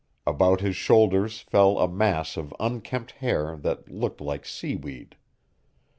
About his shoulders fell a mass of unkempt hair that looked like seaweed.